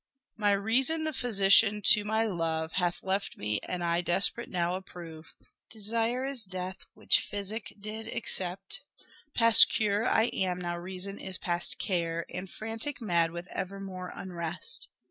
My reason, the physician to my love, Hath left me, and I desperate now approve ; Desire is death, which, physic did except. Past cure I am now reason is past care, And frantic mad with evermore unrest.